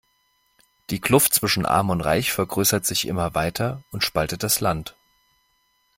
Die Kluft zwischen arm und reich vergrößert sich immer weiter und spaltet das Land.